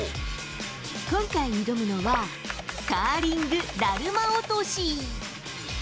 今回挑むのは、カーリングだるま落とし。